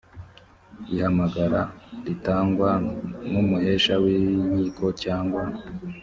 ihamagara ritangwa n umuhesha w inkiko cyangwa